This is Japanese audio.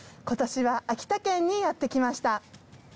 今年は秋田県にやって来ました。